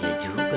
iya juga sih